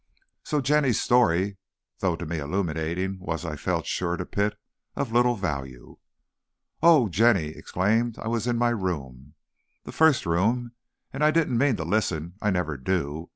So Jenny's story, though to me illuminating, was, I felt sure, to Pitt, of little value. "Oh," Jenny exclaimed, "I was in my room, the first room, and I didn't mean to listen, I never do!